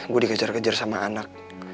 gue dikejar kejar sama anak